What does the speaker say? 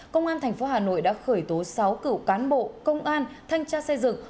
công an tp hà nội đã khởi tố sáu cựu cán bộ công an thanh tra xây dựng